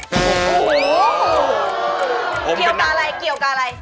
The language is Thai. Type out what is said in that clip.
โอ้โหเกี่ยวกับอะไรเกี่ยวกับอะไร